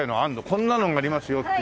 こんなのありますよっていう。